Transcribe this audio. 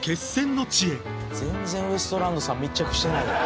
「全然ウエストランドさん密着してないやん」